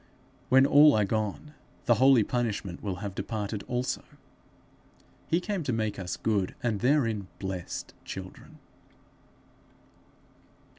When all are gone, the holy punishment will have departed also. He came to make us good, and therein blessed children.